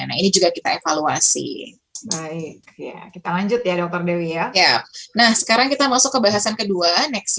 nah ini juga kita evaluasikan